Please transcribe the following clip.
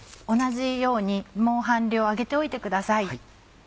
同じようにもう半量揚げておいてください。